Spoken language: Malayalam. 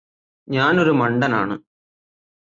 ഞാനൊരു മണ്ടനാണ്